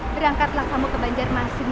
berangkatlah kamu ke banjar masing